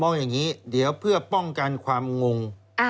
อย่างนี้เดี๋ยวเพื่อป้องกันความงง